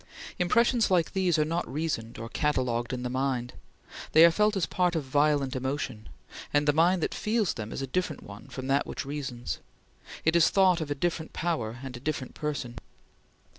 Impressions like these are not reasoned or catalogued in the mind; they are felt as part of violent emotion; and the mind that feels them is a different one from that which reasons; it is thought of a different power and a different person.